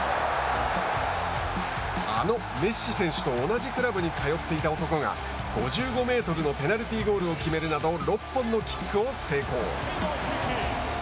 あのメッシ選手と同じクラブに通っていた男が５５メートルのペナルティーゴールを決めるなど６本のキックを成功。